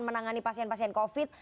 menangani pasien pasien covid